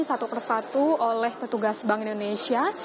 satu persatu oleh petugas bank indonesia